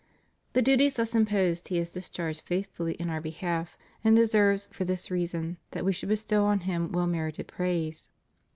The duties thus imposed he has discharged faithfully in Our behalf, and deserves for this reason that We should bestow on him well merited praise.